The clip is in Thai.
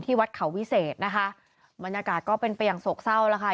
ที่วัดสระเขาวิเศษบรรยากาศก็เป็นประหย่างโศกเศร้า